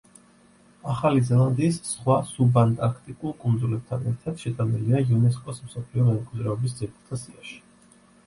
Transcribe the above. ახალი ზელანდიის სხვა სუბანტარქტიკულ კუნძულებთან ერთად შეტანილია იუნესკოს მსოფლიო მემკვიდრეობის ძეგლთა სიაში.